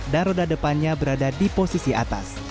dan roda depannya berada di posisi atas